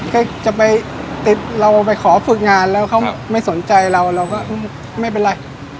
ก็จะไปติดเราไปขอฝึกงานแล้วเขาไม่สนใจเราเราก็ไม่เป็นไร